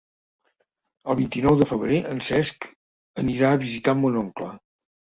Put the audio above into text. El vint-i-nou de febrer en Cesc anirà a visitar mon oncle.